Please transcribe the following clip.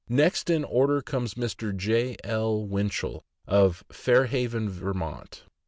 Next in order comes Mr. J. L. Winchell, of Fair haven, Vt.